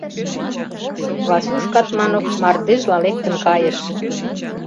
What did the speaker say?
Васюш Катманов мардежла лектын кайыш.